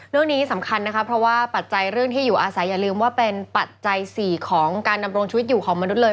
เรื่องนี้สำคัญนะคะเพราะว่าปัจจัยเรื่องที่อยู่อาศัยอย่าลืมว่าเป็นปัจจัย๔ของการดำรงชีวิตอยู่ของมนุษย์เลย